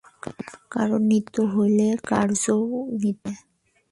কারণ নিত্য হইলে কার্যও নিত্য হইবে।